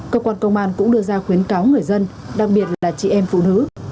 cơ quan công an cũng đưa ra khuyến cáo người dân đặc biệt là chị em phụ nữ